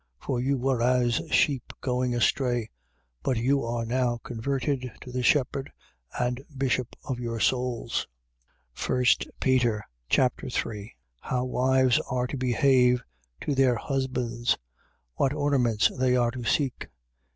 For you were as sheep going astray: but you are now converted to the shepherd and bishop of your souls. 1 Peter Chapter 3 How wives are to behave to their husbands. What ornaments they are to seek.